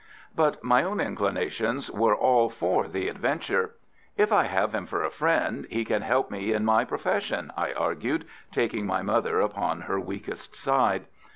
But my own inclinations were all for the adventure. "If I have him for a friend, he can help me in my profession," I argued, taking my mother upon her weakest side.